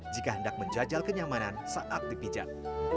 jika hendak menjajal kenyamanan saat dipijak